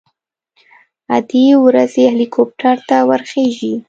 ادې ورځي هليكاپټر ته ورخېژي.